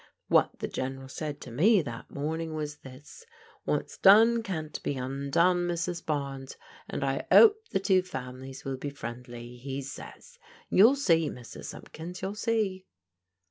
What the General said to me that morn ing was this — ^'What's done can't be undone, Mrs. Barnes, and I 'ope the two families will be friendly,* he says. You'll see, Mrs. Simpkins, you'll see."